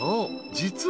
実は］